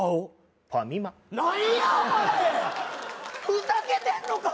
ふざけてんのか！